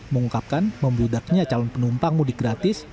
mengungkapkan membludaknya calon penumpang mudik gratis